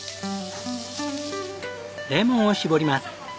レモンを搾ります。